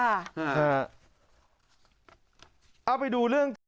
ไปดูเรื่อง